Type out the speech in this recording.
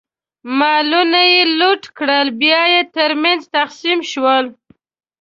مالونه یې لوټ کړل، بیا یې ترمنځ تقسیم شول.